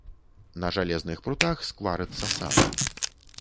На жалезных прутах скварыцца сала.